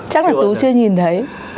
chắc là tú chưa nhìn thấy